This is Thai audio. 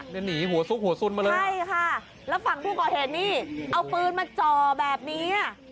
นี่หนีหัวซุกหัวสุนมาเลยใช่ค่ะแล้วฝั่งผู้ก่อเหตุนี่เอาปืนมาจ่อแบบนี้อ่ะ